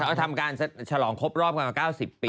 ก็ถือว่ายาวทำการฉลองครบรอบกันมา๙๐ปี